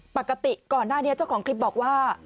ปกติก่อนหน้านี้เจ้าของคลิปบอกว่า